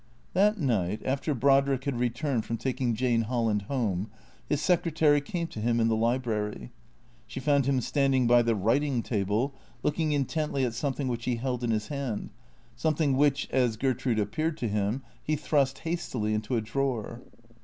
That night, after Brodrick had returned from taking Jane Holland home, his secretary came to him in the library. She found him standing by the writing table, looking intently at something which he held in his hand, something which, as Ger trude appeared to him, he thrust hastily into a drawer.